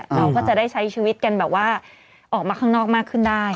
เราก็จะได้ใช้ชีวิตกันแบบว่าออกมาข้างนอกมากขึ้นได้